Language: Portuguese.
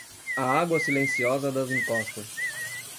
A água silenciosa das encostas.